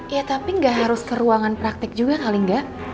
ya tapi gak harus ke ruangan praktek juga kali enggak